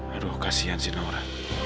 aduh kasihan sih naura